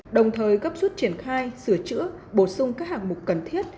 đồng thời gấp suốt triển khai sửa chữa bổ sung các hạng mục cần thiết